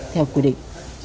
theo quy định